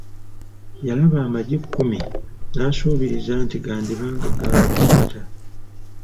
Yabala amaggi kkumi naasuubiriza nti gandiba nga ga wambaata.